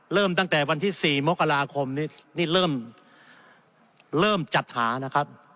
เริ่มตั้งแต่วันที่๔มกราคมนี้นี่เริ่มจัดหานะครับ